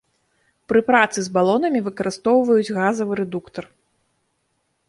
Пры працы з балонамі выкарыстоўваюць газавы рэдуктар.